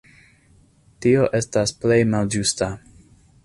Tio estas plej malĝusta.